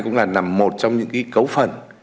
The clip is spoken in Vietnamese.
cũng là một trong những cấu phần